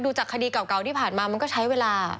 จากคดีเก่าที่ผ่านมามันก็ใช้เวลา